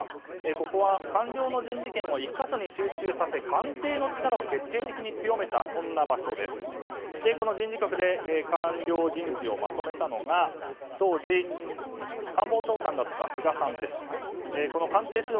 ここは官僚の人事権を１か所に集中させ官邸力を決定的に強めた場所ですがこの人事局で官僚人事をまとめたのが当時、官房長官だった菅さんだった。